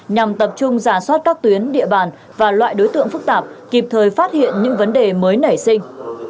nhằm tập trung giả soát các tuyến địa bàn và loại đối tượng phức tạp kịp thời phát hiện những vấn đề mới nảy sinh